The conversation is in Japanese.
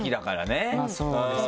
そうですね。